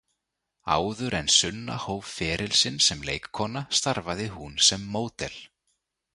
Áður en Sunna hóf feril sinn sem leikkona starfaði hún sem módel.